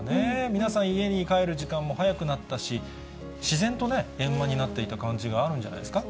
皆さん、家に帰る時間も早くなったし、自然とね、円満になっていった感じがあるんじゃないですか。